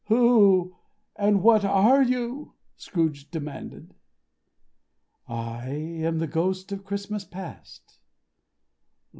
"Who, and what are you?" Scrooge demanded. "I am the Ghost of Christmas Past."